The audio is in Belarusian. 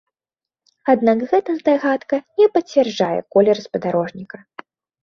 Аднак гэта здагадка не пацвярджае колер спадарожніка.